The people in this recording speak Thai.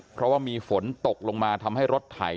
เพราะว่ามีฝนตกลงมาทำให้รถไถ